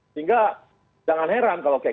sehingga jangan heran kalau kayak